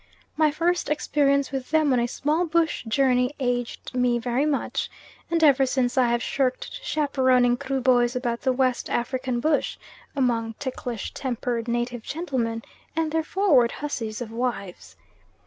My first experience with them on a small bush journey aged me very much; and ever since I have shirked chaperoning Kruboys about the West African bush among ticklish tempered native gentlemen and their forward hussies of wives.